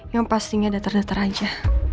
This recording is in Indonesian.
yang pastinya datar datar aja